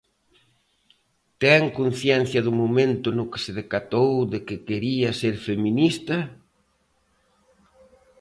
Ten conciencia do momento no que se decatou de que quería ser feminista?